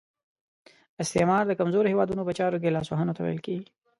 استعمار د کمزورو هیوادونو په چارو کې لاس وهنې ته ویل کیږي.